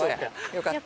よかった。